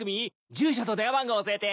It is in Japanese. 住所と電話番号おせて。